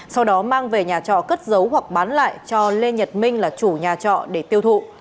sau đó mang về nhà trọ cất giấu hoặc bán lại cho lê nhật minh là chủ nhà trọ để tiêu thụ